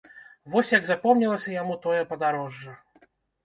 Вось як запомнілася яму тое падарожжа.